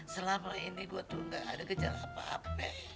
selama ini gue tuh gak ada gejala apa apa